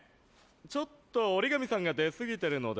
ちょっと折紙さんが出すぎてるので。